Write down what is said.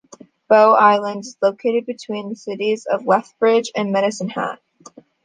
Bow Island is located between the cities of Lethbridge and Medicine Hat.